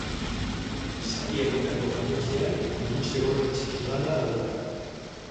Zati hauetako bakoitzean gurutze gorri txiki bana dauka.